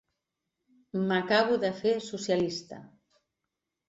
M'acabo de fer socialista.